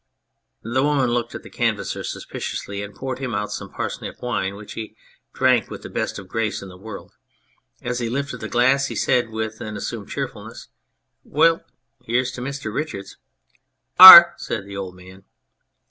The woman looked at the Canvasser suspiciously and poured him out some parsnip wine, which he drank with the best grace in the world. As he lifted the glass he said, with an assumed cheerful ness :" Well ! here's to Mr. Richards !"" Ar !'' said the old man.